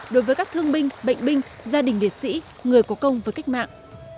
đối với các thương binh bệnh binh gia đình liệt sĩ người có công với cách mạng